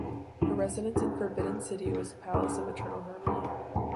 Her residence in Forbidden City was Palace of Eternal Harmony.